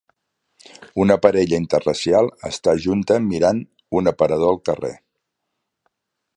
Una parella interracial està junta mirant un aparador al carrer